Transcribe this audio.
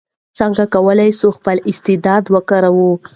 څنګه کولای سو خپل استعداد وکاروو؟